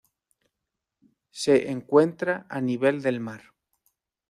Se encuentra a nivel del mar.